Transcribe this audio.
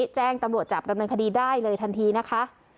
แจ้งตำรวจจับดำเนินคดีได้เลยทันทีนะคะ